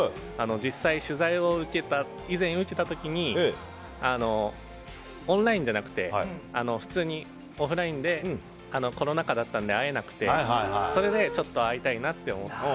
実際に取材を受けた時にオンラインじゃなくてオフラインで、コロナ禍だったんで会えなくて、それでちょっと会いたいなって思って。